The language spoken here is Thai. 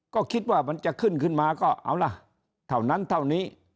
ก็คิดว่ามันจะขึ้นขึ้นมาก็เอาล่ะเท่านั้นเท่านี้